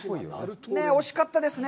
惜しかったですね。